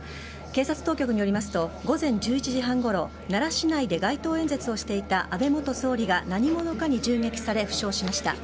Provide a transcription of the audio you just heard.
警察当局によりますと午前１１時半ごろ奈良市内で街頭演説をしていた安倍元首相が何者かに銃撃され、負傷しました。